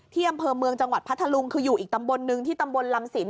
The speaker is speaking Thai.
ที่อำเภอเมืองจังหวัดพัทธลุงคืออยู่อีกตำบลนึงที่ตำบลลำสิน